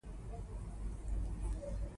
ایوب خان د هرات واکمن وو.